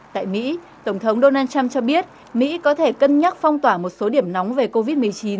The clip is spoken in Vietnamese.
tại mỹ tổng thống donald trump cho biết mỹ có thể cân nhắc phong tỏa một số điểm nóng về covid một mươi chín